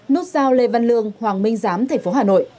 nút sao lê văn lương hoàng minh giám tp hà nội